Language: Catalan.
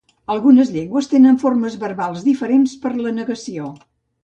Algunes llengües tenen formes verbals diferents per a la negació.